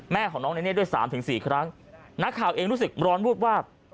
แม่ของน้องเนเน่ด้วยสามถึงสี่ครั้งนักข่าวเองรู้สึกร้อนวูบวาบ